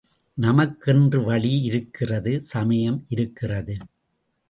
நமக்கென்று வழி இருக்கிறது சமயம் இருக்கிறது.